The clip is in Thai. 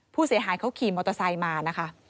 ผู้เสียหายเขาขี่มอเตอร์ไซค์มานะคะ